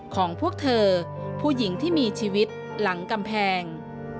ของพวกเธอผู้หญิงที่มีชีวิตหลังกำแพง